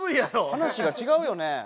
話がちがうよね。